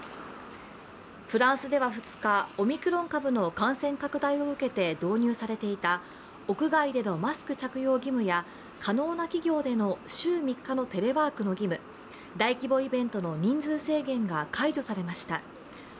フランスでは２日、オミクロン株の感染拡大を受けて導入されていた屋外でのマスク着用義務や可能な企業での週３日のテレワークの義務、大規模イベントの人数制限が解除されました。